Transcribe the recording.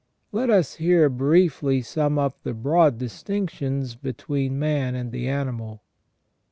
* Let us here briefly sum up the broad distinctions between man and the animal.